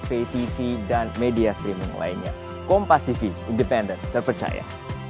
ptv dan media streaming lainnya kompas tv independent terpercaya